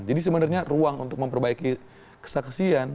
sebenarnya ruang untuk memperbaiki kesaksian